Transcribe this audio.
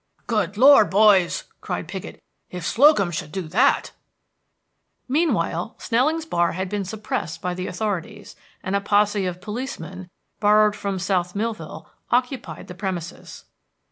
"Good Lord, boys!" cried Piggott, "if Slocum should do that!" Meanwhile, Snelling's bar had been suppressed by the authorities, and a posse of policemen, borrowed from South Millville, occupied the premises.